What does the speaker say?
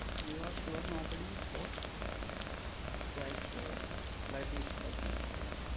‘You are sure nobody spoke?’ ‘Quite sure,’ replied his cousin.